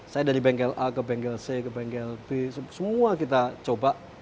saya dari bengkel a ke bengkel c ke bengkel b semua kita coba